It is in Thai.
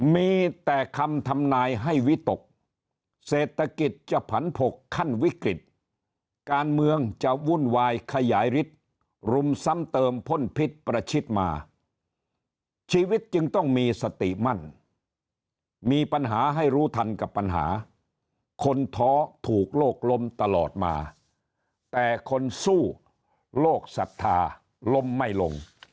มีแต่คำทำนายให้วิตกเศรษฐกิจจะผันผกขั้นวิกฤตการเมืองจะวุ่นวายขยายฤทธิ์รุมซ้ำเติมพ่นพิษประชิดมาชีวิตจึงต้องมีสติมั่นมีปัญหาให้รู้ทันกับปัญหาคนท้อถูกโลกลมตลอดมาแต่คนสู้โลกศรัทธาลมไม่ลง